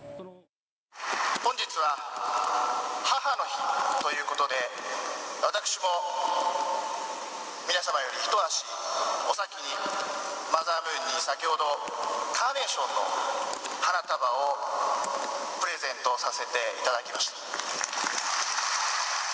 本日は母の日ということで、私も皆様より一足お先に、マザームーンに先ほど、カーネーションの花束をプレゼントさせていただきました。